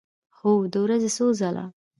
هو، د ورځې څو ځله